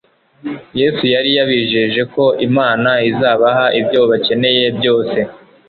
Yesu yari yabijeje ko Imana izabaha ibyo bakencye byose.